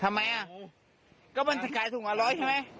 ทำไมอ่ะก็มันจะกลายถุงกว่า๑๐๐ใช่ไหม